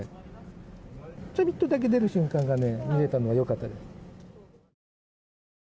ちょびっとだけ出る瞬間が見れたのは良かったです。